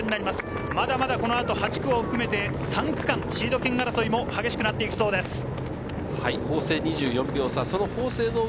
まだまだこの後、８区を含めて３区間、シード権争いも激しくなっていきそうです。